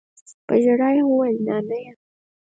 په ژړا يې وويل نانىه.